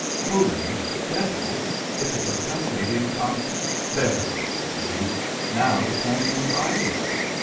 Fooling little devils. It's a percussating comp There goes the key. Now it won't move either way.